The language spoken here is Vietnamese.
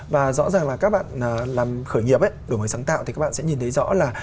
và rõ ràng là các bạn làm khởi nghiệp đổi mới sáng tạo thì các bạn sẽ nhìn thấy rõ là